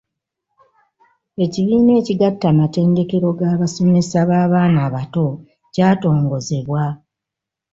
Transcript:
Ekibiina ekigatta amatendekero g’abasomesa b’abaana abato kyatongozebwa.